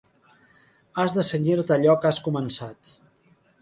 Has de cenyir-te a allò que has començat.